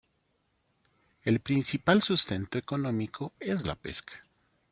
El principal sustento económico es la pesca.